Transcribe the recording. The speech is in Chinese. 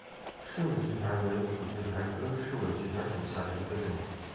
世纬苣苔为苦苣苔科世纬苣苔属下的一个种。